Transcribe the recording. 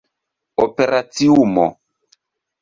operaciumo